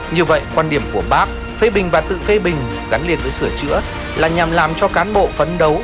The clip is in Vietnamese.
như vậy quan điểm của bác phê bình và tự phê bình gắn liệt với sửa chữa là nhằm làm cho cán bộ phấn đấu